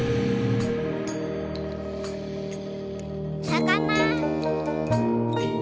さかな。